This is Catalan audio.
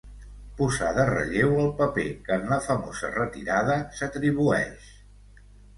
posar de relleu el paper que en la famosa retirada s'atribueix